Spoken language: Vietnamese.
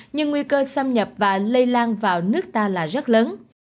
nhưng nguy cơ xâm nhập và lây lan vào nước ta là rất lớn